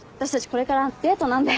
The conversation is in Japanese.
これからデートなんで。